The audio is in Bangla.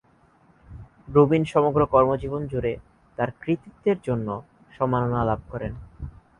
রুবিন সমগ্র কর্মজীবন জুড়ে তাঁর কৃতিত্বের জন্য সম্মাননা লাভ করেন।